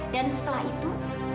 dan setelah itu